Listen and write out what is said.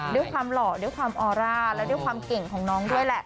ด้วยความหล่อด้วยความออร่าและด้วยความเก่งของน้องด้วยแหละ